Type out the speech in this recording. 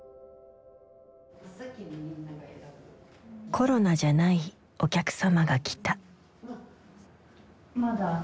コロナじゃないお客様が来た。